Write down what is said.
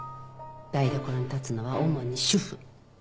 台所に立つのは主に主婦。